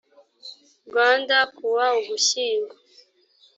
rwanda ku wa ugushyingo